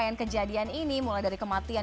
yang kejadian ini mulai dari kematian